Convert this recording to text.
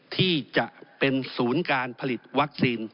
ที่จะเป็นศูนย์การผลิตวัคซีน